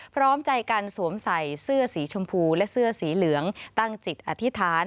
พร้อมใจกันสวมใส่เสื้อสีชมพูและเสื้อสีเหลืองตั้งจิตอธิษฐาน